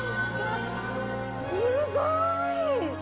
すごーい！